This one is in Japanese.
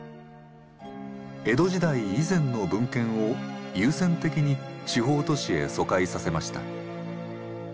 江戸時代以前の文献を優先的に地方都市へ疎開させました。